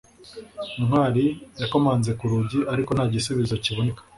ntwali yakomanze ku rugi, ariko nta gisubizo kiboneka